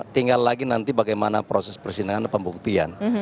tinggal lagi nanti bagaimana proses persidangan pembuktian